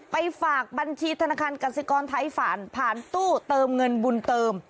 ไปฝากบัญชีธนาคารกสิกรไทยฝ่านผ่านตู้เติมเงินบุญเติม